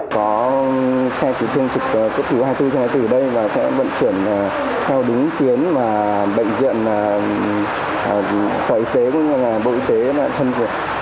có xe tử thiên trực tiếp thủ hai mươi bốn trường hải tử ở đây và sẽ vận chuyển theo đúng tuyến bệnh viện sở y tế bộ y tế thân vực